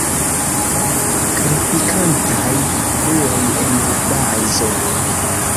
Krepitantaj bruoj en la bazo.